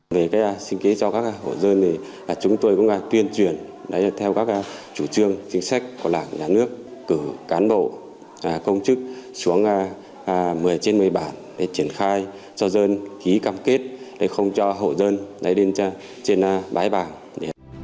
về cái sinh kế cho các hộ dân thì chúng tôi cũng tuyên truyền theo các chủ trương chính sách của làng nhà nước cử cán bộ công chức xuống một mươi trên một mươi bản để triển khai cho dân ký cam kết để không cho hộ dân đến trên bái bảng